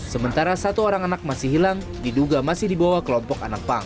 sementara satu orang anak masih hilang diduga masih dibawa kelompok anak pang